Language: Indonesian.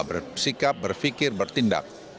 bersikap berpikir bertindak